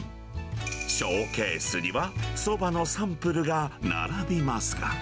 ショーケースにはそばのサンプルが並びます。